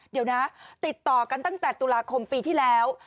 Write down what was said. เดี๋ยวนะติดต่อกันตั้งแต่ตุลาคมปีที่แล้ว